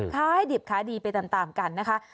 ข้าวให้ดิบขาดีไปตามกันนะคะ